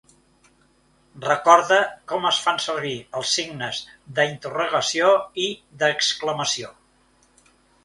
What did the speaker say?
Recorde com es fan servir el signes d’interrogació i d'exclamació.